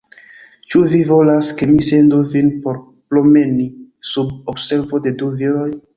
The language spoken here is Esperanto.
Ĉu vi volas, ke mi sendu vin por promeni, sub observo de du viroj?